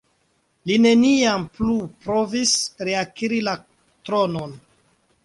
Li neniam plu provis reakiri la tronon.